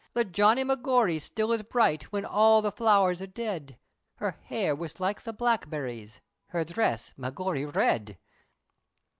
The Johnny Magory still is bright, Whin all the flowers are dead, Her hair, was like the blackberries! Her dhress, Magory red!